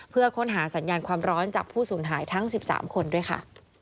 เพื่อค้นหาสัญญาณความร้อนจากผู้สูญหายทั้ง๑๓คนด้วยค่ะ